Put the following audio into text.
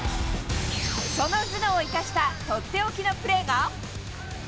その頭脳を生かしたとっておきのプレーが。